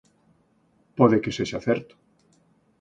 Pode que sexa certo.